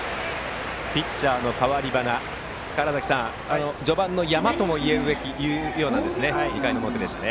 ピッチャーの代わり端序盤の山とも言えるような２回の表でしたね。